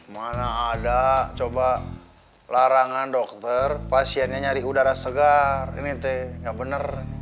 mana ada coba larangan dokter pasiennya nyari udara segar ini teh nggak bener